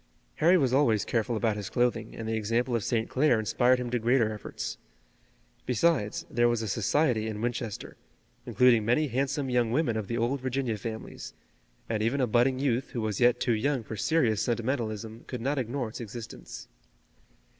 Harry was always careful about his clothing, and the example of St. Clair inspired him to greater efforts. Besides, there was a society in Winchester, including many handsome young women of the old Virginia families, and even a budding youth who was yet too young for serious sentimentalism, could not ignore its existence.